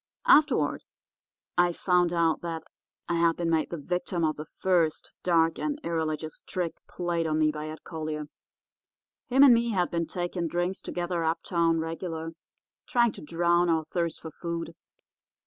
Afterward I found out that I had been made the victim of the first dark and irreligious trick played on me by Ed Collier. Him and me had been taking drinks together uptown regular, trying to drown our thirst for food.